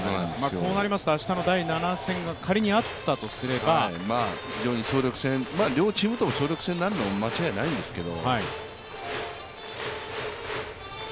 こうなりますと明日の第７戦が仮にあったとすれば両チームとも総力戦になるのは間違いないんですけど。